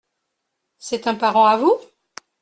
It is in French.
C’est un parent à vous ?